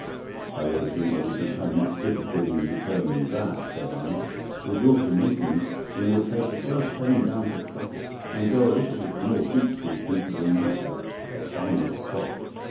"'I don't think that we should have much difficulty in determining that,' said I; 'with your permission we will take the first train down to Sussex, and go a little more deeply into the matter upon the spot.